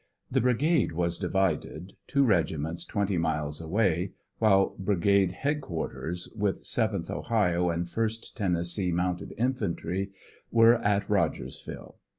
The Brigade was divided, two regiments twenty miles away, while Brigade Head Quarters with 7th Ohio and 1st Tennessee Mounted Infantry were at Rog ersville.